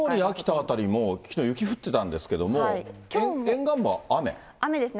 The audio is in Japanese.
辺りも、きのう雪降ってたんですけれども、雨ですね。